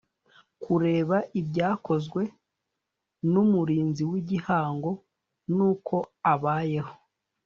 kureba ibyakozwe n umurinzi w igihango n uko abayeho